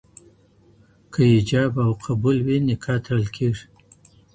که ايجاب او قبول وي نکاح تړل کيږي.